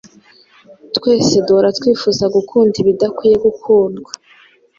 Twese duhora twifuza gukunda ibidakwiriye gukundwa,